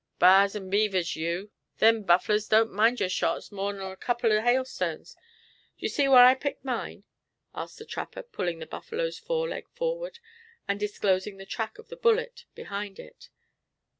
"B'ars and beavers, you! Them bufflers didn't mind your shots more nor a couple of hailstones. Do you see whar I picked mine?" asked the trapper, pulling the buffalo's fore leg forward, and disclosing the track of the bullet behind it.